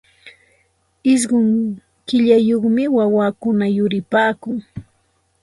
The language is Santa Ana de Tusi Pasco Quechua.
Ishqun killayuqmi wawakuna yuripaakun.